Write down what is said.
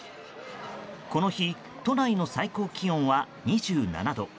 この日都内の最高気温は２７度。